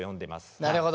なるほど。